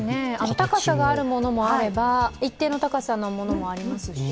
高さがあるものもあれば一定の高さのものもありますし。